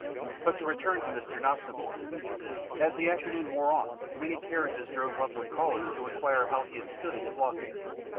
But to return to Mr. Nosnibor. As the afternoon wore on many carriages drove up with callers to inquire how he had stood his flogging.